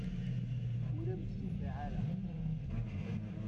Ur am-d-tuqiɛ ara.